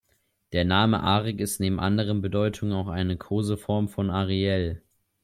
Der Name "Arik" ist neben anderen Bedeutungen auch eine Koseform von "Ariel".